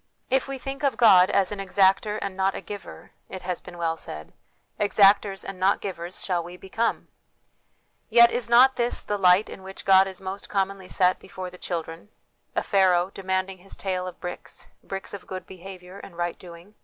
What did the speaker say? " If we think of God as an exactor and not a giver," it has been well said, " exactors and not givers shall we become." Yet is not this the light in which God is most commonly set before the children a Pharaoh demanding his tale of bricks, bricks of good behaviour and right doing?